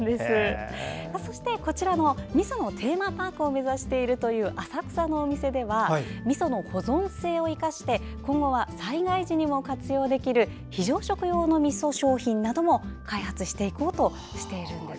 そして、こちらのみそのテーマパークを目指しているという浅草のお店ではみその保存性を生かして今後は災害時にも活用できる非常食用のみそ商品なども開発していこうとしているんです。